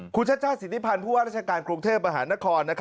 คุณชาติชาติสิทธิพันธ์ผู้ว่าราชการกรุงเทพมหานคร